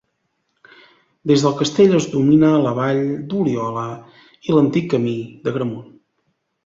Des del castell es domina la vall d'Oliola i l'antic camí d'Agramunt.